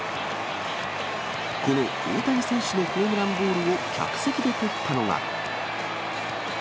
この大谷選手のホームランボールを客席で捕ったのは。